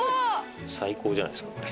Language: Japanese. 最高じゃないですかこれ。